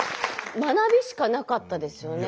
学びしかなかったですよね。